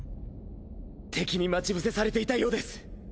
敵に待ち伏せされていたようです。